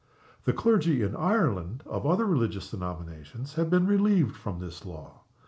The clergy in Ireland of other religious denominations have been relieved from this law.